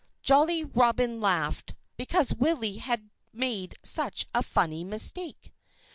Jolly Robin laughed, because Willie had made such a funny mistake.